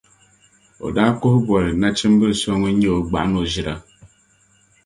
o daa kuhi boli nachimbil’ so ŋun nyɛ o gbɔɣino ʒira.